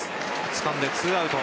つかんで２アウト。